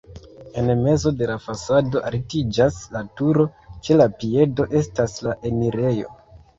En mezo de la fasado altiĝas la turo, ĉe la piedo estas la enirejo.